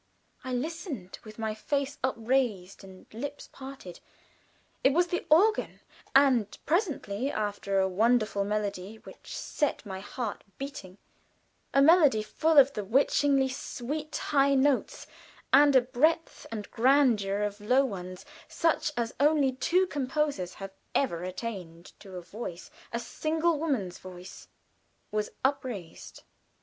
I listened with my face upraised, my lips parted. It was the organ, and presently, after a wonderful melody, which set my heart beating a melody full of the most witchingly sweet high notes, and a breadth and grandeur of low ones such as only two composers have ever attained to, a voice a single woman's voice was upraised.